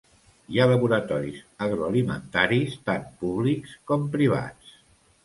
Hi ha laboratoris agroalimentaris, tant públics com privats.